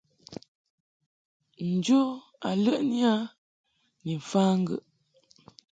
Njo a ləʼni a ni mfa ŋgəʼ.